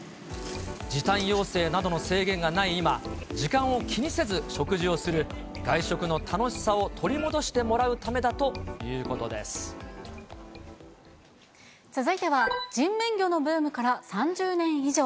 時短要請などの制限がない今、時間を気にせず食事をする外食の楽しさを取り戻してもらうためだ続いては、人面魚のブームから３０年以上。